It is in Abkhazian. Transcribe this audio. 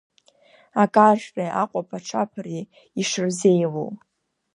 Акаршәреи аҟәаԥа-ҿаԥареи ишырзеилоу.